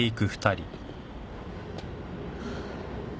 ハァ。